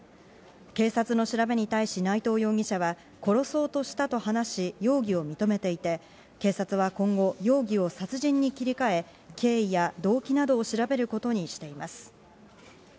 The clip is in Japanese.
警察の調べに対し内藤容疑者は、殺そうとしたと話し、容疑を認めていて、警察は今後、容疑を殺人に切り替え、経緯や動機などを調べることにしています。